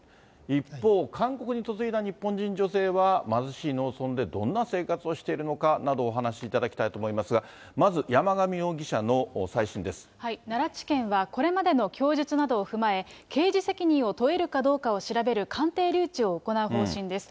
一方、韓国に嫁いだ日本人女性は、貧しい農村でどんな生活をしているのかなどをお話しいただきたいと思いますが、奈良地検は、これまでの供述などを踏まえ、刑事責任を問えるかどうかを調べる鑑定留置を行う方針です。